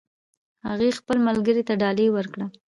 هغې خپل ملګري ته ډالۍ ورکړه